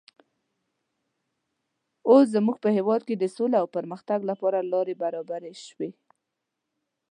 اوس زموږ په هېواد کې د سولې او پرمختګ لپاره لارې برابرې شوې.